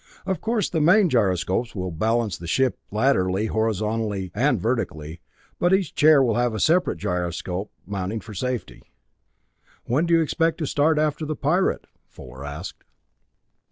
Of course the main gyroscopes will balance the ship laterally, horizontally, and vertically, but each chair will have a separate gyroscopic mounting for safety." "When do you expect to start after the Pirate?" Fuller asked.